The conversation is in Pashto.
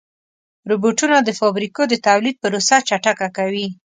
روبوټونه د فابریکو د تولید پروسه چټکه کوي.